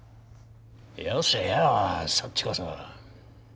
よせよそっちこそ。